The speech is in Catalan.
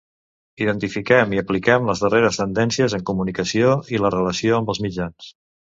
Identifiquem i apliquem les darreres tendències en comunicació i la relació amb els mitjans.